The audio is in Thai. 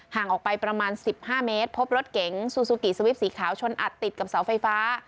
ห่างออกไปประมาณ๑๕เมตรพบรถเก๋งซูซูกิสวิปสีขาวชนอัดติดกับเสาไฟฟ้า